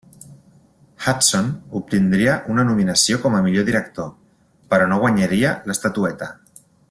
Hudson obtindria una nominació com a millor director, però no guanyaria l'estatueta.